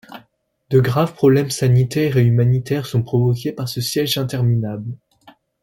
De graves problèmes sanitaires et humanitaires sont provoqués par ce siège interminable.